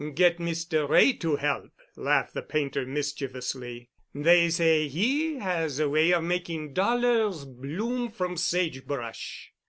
"Get Mr. Wray to help," laughed the painter mischievously. "They say he has a way of making dollars bloom from sage brush."